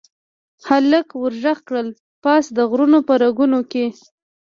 هلک ور ږغ کړل، پاس د غرونو په رګونو کې